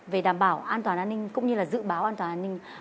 về đảm bảo an toàn an ninh cũng như là dự báo an toàn an ninh